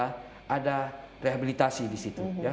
karena ada rehabilitasi di situ